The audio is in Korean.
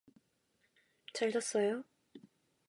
잘 잤어요?